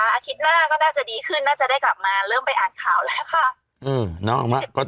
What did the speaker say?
อาทิตย์หน้าก็น่าจะดีขึ้นน่าจะได้กลับมาเริ่มไปอ่านข่าวแล้วค่ะ